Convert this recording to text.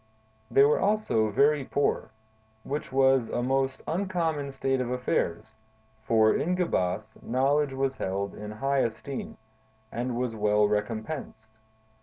"They were also very poor, which was a most uncommon state of affairs; for, in Gebas, knowledge was held in high esteem, and was well recompensed.